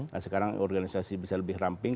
nah sekarang organisasi bisa lebih ramping